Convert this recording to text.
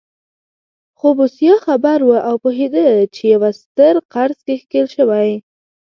خو بوسیا خبر و او پوهېده په یوه ستر قرض کې ښکېل شوی.